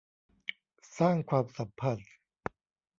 สร้างความสัมพันธ์